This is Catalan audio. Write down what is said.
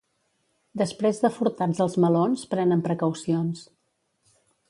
Després de furtats els melons, prenen precaucions.